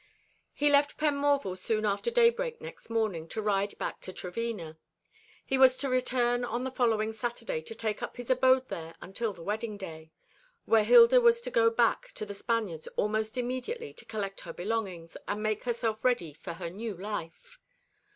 He left Penmorval soon after daybreak next morning, to ride back to Trevena. He was to return on the following Saturday to take up his abode there until the wedding day; while Hilda was to go back to The Spaniards almost immediately, to collect her belongings, and make herself ready for her new life.